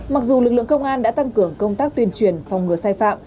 mặc dù lực lượng công an đã tăng cường công tác tuyên truyền phòng ngừa sai phạm